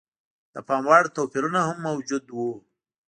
د پاموړ توپیرونه هم موجود و.